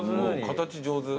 形上手。